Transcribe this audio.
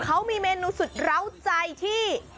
เขามีเมนูสุดเหล้าใจที่